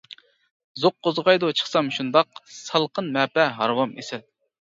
زوق قوزغايدۇ چىقسام شۇنداق، سالقىن مەپە ھارۋام ئېسىل.